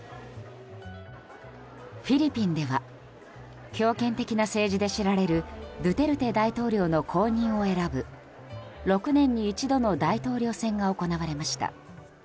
フィリピンでは強権的な政治で知られるドゥテルテ大統領の後任を選ぶ６年に一度の大統領選が行われました。